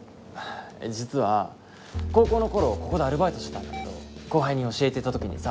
実は高校の頃ここでアルバイトしてたんだけど後輩に教えてた時にさ。